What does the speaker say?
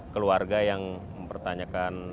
keluarga yang mempertanyakan